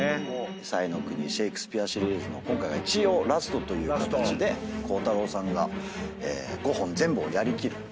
彩の国シェイクスピア・シリーズの今回が一応ラストという形で鋼太郎さんが５本全部をやり切る。